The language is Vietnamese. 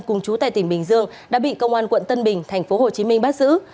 cùng chú tại tỉnh bình dương đã bị công an quận tân bình tp hcm bắt giữ